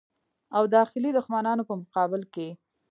او داخلي دښمنانو په مقابل کې.